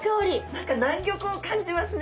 何か南国を感じますね。